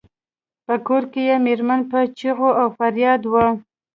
په کور کې یې میرمن په چیغو او فریاد وه.